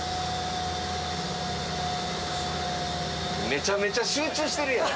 めちゃめちゃ集中してるやん。